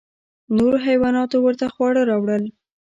نورو حیواناتو ورته خواړه راوړل.